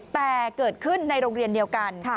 แต่เกิดขึ้นในโรงเรียนเดียวกัน